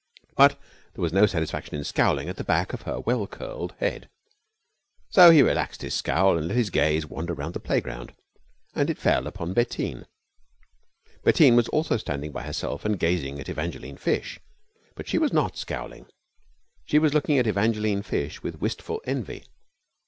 But there was no satisfaction in scowling at the back of her well curled head, so he relaxed his scowl and let his gaze wander round the playground. And it fell upon Bettine. Bettine was also standing by herself and gazing at Evangeline Fish. But she was not scowling. She was looking at Evangeline Fish with wistful envy.